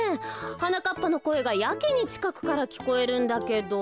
はなかっぱのこえがやけにちかくからきこえるんだけど。